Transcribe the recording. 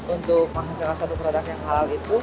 untuk menghasilkan satu produk yang halal itu